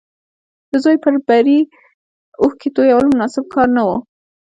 د زوی پر بري اوښکې تويول مناسب کار نه و